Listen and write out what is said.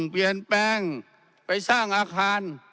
เปลี่ยนแปลงไปสร้างอาคาร